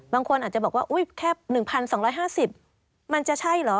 บางคนอาจจะบอกว่าอุ๊ยแค่๑๒๕๐มันจะใช่เหรอ